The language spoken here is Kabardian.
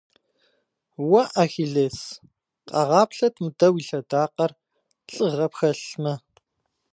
Уэ, Ахилес! Къэгъаплъэт мыдэ уи лъэдакъэр, лӏыгъэ пхэлъмэ!